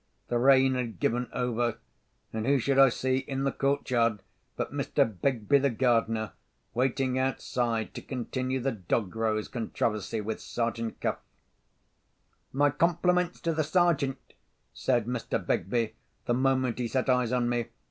The rain had given over; and, who should I see in the court yard, but Mr. Begbie, the gardener, waiting outside to continue the dog rose controversy with Sergeant Cuff. "My compliments to the Sairgent," said Mr. Begbie, the moment he set eyes on me.